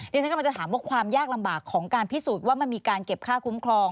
ที่ฉันกำลังจะถามว่าความยากลำบากของการพิสูจน์ว่ามันมีการเก็บค่าคุ้มครอง